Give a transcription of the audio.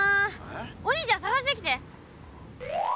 お兄ちゃんさがしてきて！